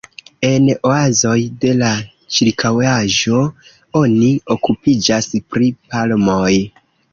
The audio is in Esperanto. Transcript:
En oazoj de la ĉirkaŭaĵo oni okupiĝas pri palmoj.